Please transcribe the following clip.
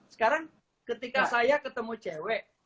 sekarang ketika saya ketemu cewek